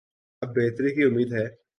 اب بہتری کی امید ہے۔